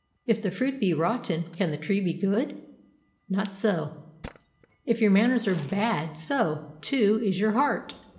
If the fruit be rotten, can the tree be good? Not so. If your manners are bad, so, too, is your heart.